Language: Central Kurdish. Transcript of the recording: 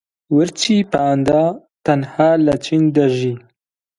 ورچی پاندا تەنها لە چین دەژی.